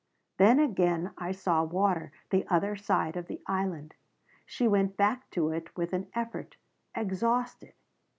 "Then again I saw water the other side of the Island." She went back to it with an effort, exhausted.